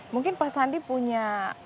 mungkin pak sandi punya